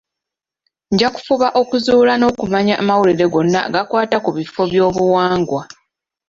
Nja kufuba okuzuula n'okumanya amawulire gonna agakwata ku bifo by'obuwangwa.